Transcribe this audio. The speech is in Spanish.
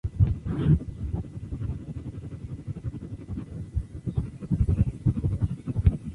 Aun así, "Los Gatos" deciden perseverar, pero sin reemplazar el guitarrista.